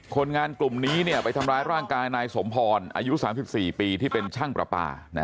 คนงานกลุ่มนี้ไปทำร้ายร่างกายนายสมพรอายุ๓๔ปีที่เป็นช่างประปา